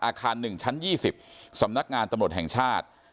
อาคาร๑ชั้น๒๐สำนักงานตำรวจแห่งชาติ